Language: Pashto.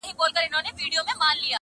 ماته د پېغلي کور معلوم دی-